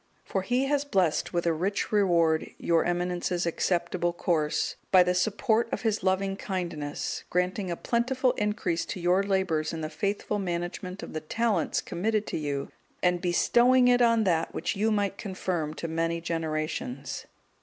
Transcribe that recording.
For He has blessed with a rich reward your Eminence's acceptable course, by the support of His loving kindness; granting a plentiful increase to your labours in the faithful management of the talents committed to you, and bestowing it on that which you might confirm to many generations.